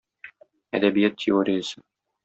Әдәбият теориясе.